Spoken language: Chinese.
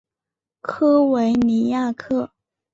科维尼亚克。